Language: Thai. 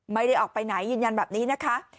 ไม่ได้ออกไปไหนยืนยันแบบนี้นะคะ